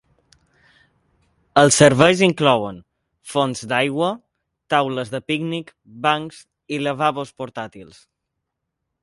Els serveis inclouen fonts d"aigua, taules de pícnic, bancs i lavabos portàtils.